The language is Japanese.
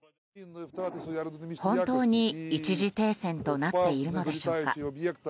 本当に一時停戦となっているのでしょうか。